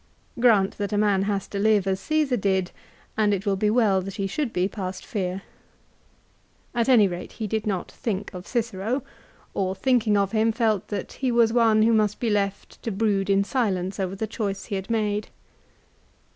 Grant that a man has to live as Csesar did, and it will be well that he should be past fear. At any rate he did not think of Cicero, or thinking of him felt that he was one who must be left to brood in silence over the choice he had made.